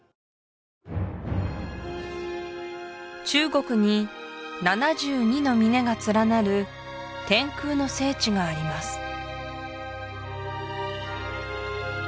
中国に７２の峰が連なる天空の聖地があります